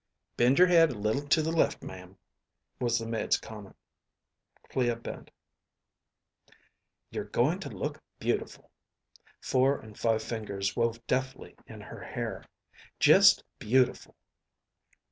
"Bend your head a little to the left, ma'am," was the maid's comment. Clea bent. "You're going to look beautiful." Four and five fingers wove deftly in her hair. "Just beautiful."